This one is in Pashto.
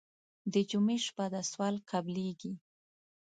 د جمعې شپه ده سوال قبلېږي.